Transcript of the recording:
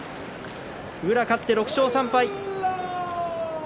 宇良、勝って６勝３敗。